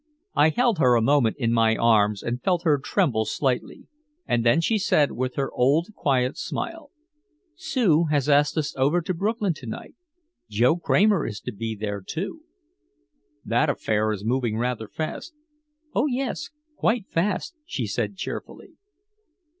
I held her a moment in my arms and felt her tremble slightly. And then she said with her old quiet smile: "Sue has asked us over to Brooklyn to night Joe Kramer is to be there, too." "That affair is moving rather fast." "Oh yes, quite fast," she said cheerfully.